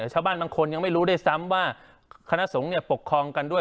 ชาวบ้านบางคนยังไม่รู้ด้วยซ้ำว่าคณะสงฆ์ปกครองกันด้วย